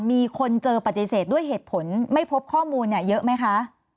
มีคนเจอปฏิเสธด้วยเหตุผลไม่พบข้อมูลเยอะไหมคะ